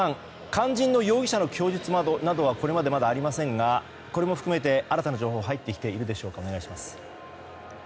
肝心の容疑者の供述などはこれまで、まだありませんが、これも含めて新たな情報は入ってきていますでしょうか？